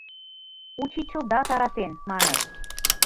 Учичылда таратен, маныт.